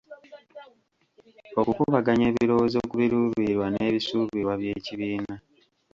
Okukubaganya ebirowoozo ku biruubirirwa n’ebisuubirwa by’ekibiina.